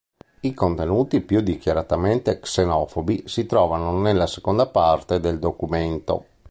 I contenuti più dichiaratamente xenofobi si trovano nella seconda parte del documento.